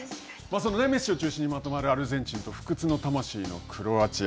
そのメッシを中心にまとまるアルゼンチンと不屈の魂のクロアチア。